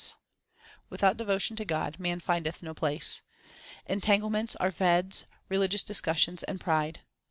HYMNS OF GURU NANAK 317 Without devotion to God man findeth no place. Entanglements are Veds, religious discussions, and pride.